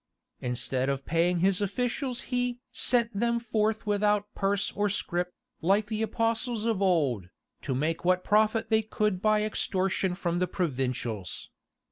Instead of paying his officials he "sent them forth without purse or scrip, like the apostles of old, to make what profit they could by extortion from the provincials."